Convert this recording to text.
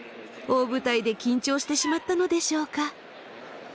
大舞台で緊張してしまったのでしょうか。